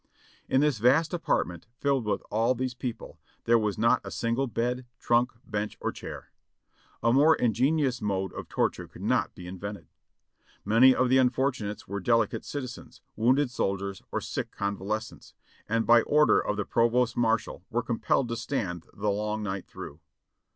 In this vast apartment, filled with all these people, there was not a single bed, trunk, bench or chair. A more ingenious mode of torture could not be invented. Many of the unfortunates were delicate citizens, wounded soldiers or sick convalescents, and by order of the provost marshal were compelled to stand the long night through.